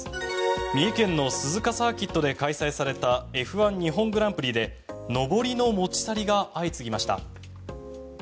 三重県の鈴鹿サーキットで開催されたＦ１日本グランプリでのぼりの持ち去りが相次ぎました。